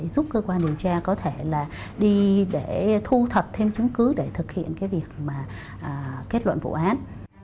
giúp cơ quan điều tra có thể đi thu thập thêm chứng cứ để thực hiện kết luận vụ án